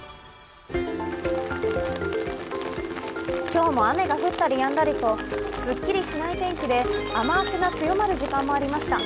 今日も雨が降ったりやんだりとすっきりしない天気で雨足が強まる時間もありました。